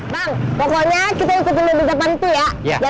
bang pokoknya kita ikutin mobil jepang tuh ya